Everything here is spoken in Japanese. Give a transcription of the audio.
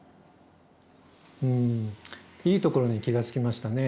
いいところに気がつきましたね。